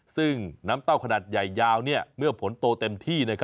ซึ่งน้ำเต้าขนาดใหญ่ยาวเมื่อผลโตเต็มที่